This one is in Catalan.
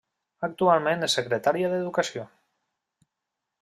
Actualment és secretària d'Educació.